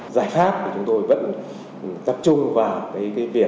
giải pháp thì chúng tôi vẫn tập trung vào cái việc